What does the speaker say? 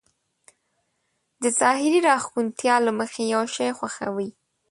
د ظاهري راښکونتيا له مخې يو شی خوښوي.